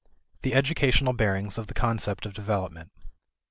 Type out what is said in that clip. The Educational Bearings of the Conception of Development.